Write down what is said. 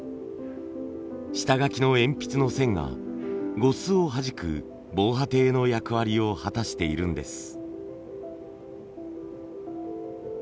下書きの鉛筆の線が呉須をはじく防波堤の役割を果たしているんです。